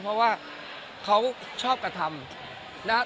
เพราะว่าเขาชอบกระทำ